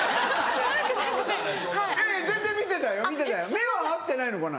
目は合ってないのかな。